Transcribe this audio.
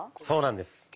そうなんです。